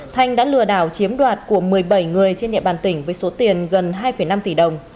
thanh đã lừa đảo chiếm đoạt của một mươi bảy người trên địa bàn tỉnh với số tiền gần hai năm tỷ đồng